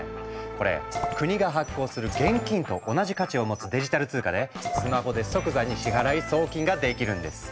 これ国が発行する現金と同じ価値を持つデジタル通貨でスマホで即座に支払い・送金ができるんです。